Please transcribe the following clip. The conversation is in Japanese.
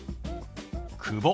「久保」。